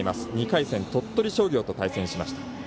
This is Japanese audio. ２回戦、鳥取商業と対戦しました。